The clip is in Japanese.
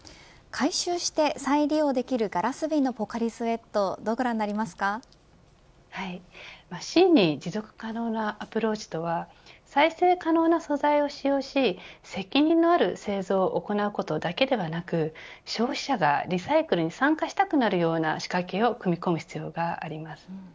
回収して再利用できるガラス瓶のポカリスエット真に持続可能なアプローチとは再生可能な素材を使用し責任のある製造を行うことだけでなく消費者がリサイクルに参加したくなるような仕掛けを組み込む必要があります。